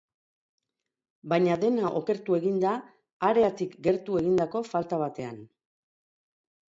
Baina dena okertu egin da areatik gertu egindako falta batean.